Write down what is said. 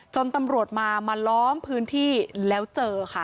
ตำรวจมามาล้อมพื้นที่แล้วเจอค่ะ